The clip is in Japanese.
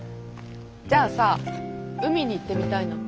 じゃあさ海に行ってみたいな。